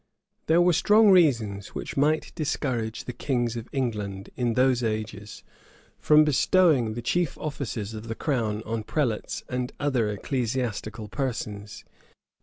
There were strong reasons, which might discourage the kings of England, in those ages, from bestowing the chief offices of the crown on prelates and other ecclesiastical persons.